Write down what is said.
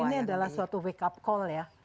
ini adalah suatu wake up call ya